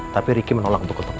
tapi ricky menolak untuk tetap